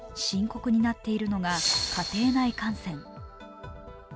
深刻になっているのが家庭内感染。